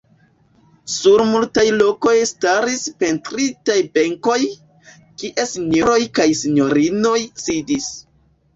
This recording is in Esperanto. Sur multaj lokoj staris pentritaj benkoj, kie sinjoroj kaj sinjorinoj sidis.